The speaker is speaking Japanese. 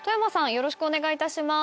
よろしくお願いします。